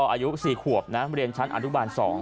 อายุ๔ขวบนะเรียนชั้นอนุบาล๒